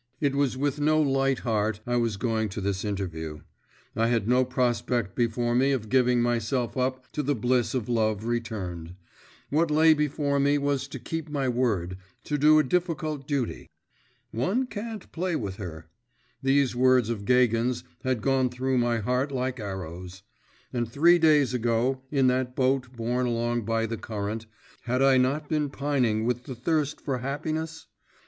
It was with no light heart I was going to this interview; I had no prospect before me of giving myself up to the bliss of love returned; what lay before me was to keep my word, to do a difficult duty. 'One can't play with her.' These words of Gagin's had gone through my heart like arrows. And three days ago, in that boat borne along by the current, had I not been pining with the thirst for happiness?